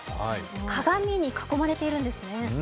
鏡に囲まれているんですね。